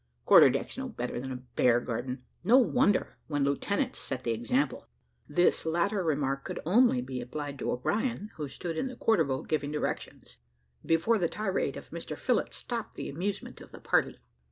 Quarter deck's no better than a bear garden. No wonder, when lieutenants set the example." This latter remark could only be applied to O'Brien, who stood in the quarter boat giving directions, before the tirade of Mr Phillott stopped the amusement of the party.